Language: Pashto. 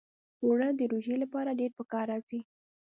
اوړه د روژې لپاره ډېر پکار راځي